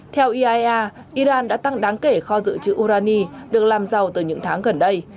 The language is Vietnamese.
theo iaea iran đã tăng đáng kể kho dự trữ urani được làm giàu từ những tháng gần đây